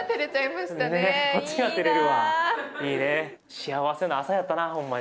幸せな朝やったなほんまに。